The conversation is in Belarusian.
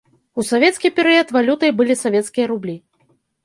У савецкі перыяд валютай былі савецкія рублі.